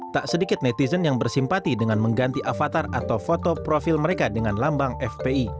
tak sedikit netizen yang bersimpati dengan mengganti avatar atau foto profil mereka dengan lambang fpi